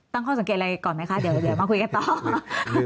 ตั้งข้อสังเกตอะไรก่อนไหมคะเดี๋ยวมาคุยกันต่อ